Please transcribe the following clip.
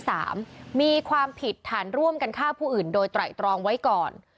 สามมีความผิดฐานร่วมกันฆ่าผู้อื่นโดยไตรตรองไว้ก่อน